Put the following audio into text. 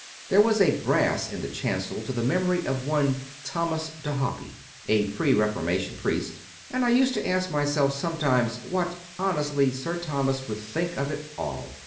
There was a brass in the chancel to the memory of one "Thomas de Hoppe," a pre Reformation priest, and I used to ask myself sometimes what, honestly, Sir Thomas would think of it all.